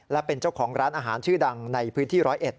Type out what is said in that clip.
และเป็นเจ้าของร้านอาหารชื่อดังในพื้นที่๑๐๑